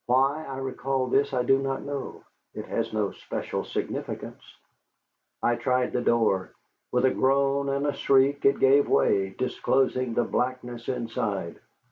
Why I recall this I do not know. It has no special significance. I tried the door. With a groan and a shriek it gave way, disclosing the blackness inside.